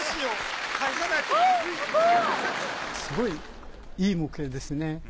すごいいい模型ですね。